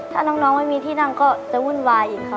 ถ้าน้องไม่มีที่นั่งก็จะวุ่นวายอีกค่ะ